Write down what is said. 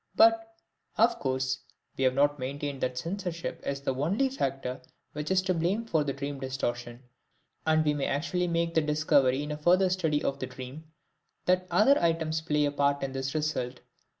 But, of course, we have not maintained that censorship is the only factor which is to blame for the dream distortion, and we may actually make the discovery in a further study of the dream that other items play a part in this result.